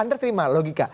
anda terima logika